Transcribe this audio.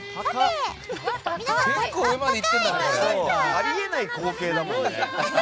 あり得ない光景だもんね。